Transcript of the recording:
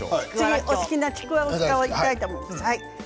お好きなちくわを使いたいと思います。